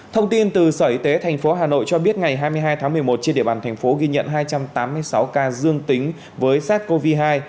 thông tin từ sở y tế thành phố hà nội cho biết ngày hai mươi hai một mươi một trên địa bàn thành phố ghi nhận hai trăm tám mươi sáu ca